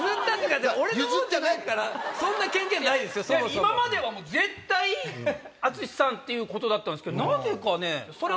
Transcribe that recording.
今までは絶対淳さんっていうことだったんですけどなぜかね。